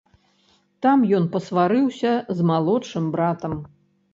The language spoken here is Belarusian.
Там ён пасварыўся з малодшым братам.